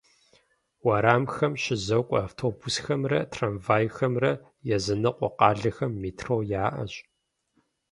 Уэрамхэм щызокӏуэ автобусхэмрэ трамвайхэмрэ, языныкъуэ къалэхэм метро яӏэщ.